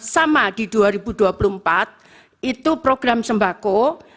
sama di dua ribu dua puluh empat itu program sembako